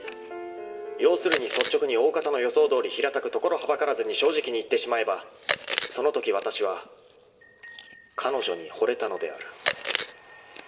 ［要するに率直におおかたの予想どおり平たくところはばからずに正直に言ってしまえばそのときわたしは彼女にほれたのである］